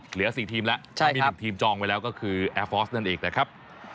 เหลือ๔ทีมแล้วถ้ามี๑ทีมจองไว้แล้วก็คือแอร์ฟอร์สนั่นเองนะครับ